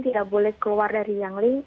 tidak boleh keluar dari young